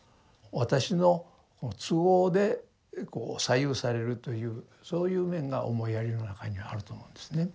私のこの都合でこう左右されるというそういう面が思いやりの中にあると思うんですね。